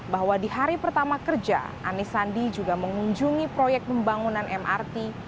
bahwa di hari pertama kerja anies sandi juga mengunjungi proyek pembangunan mrt